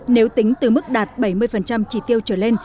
nếu tính từ mức đạt bảy mươi trị tiêu trở lên